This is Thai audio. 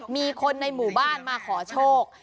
มีคนในหมู่บ้านมาขอโชค